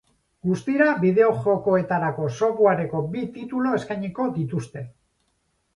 Guztira bideo-jokoetako softwareko bi titulu eskainiko dituzte.